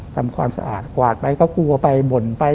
ตำความสะอาดกว่าไปกลัวไปให้บ่นไป